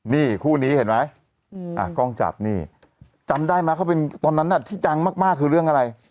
นี่คู่นี้เห็นไหมกล้องจับนี่จำได้ไหมเขาเป็นตอนนั้นที่ดังมากคือเรื่องอะไร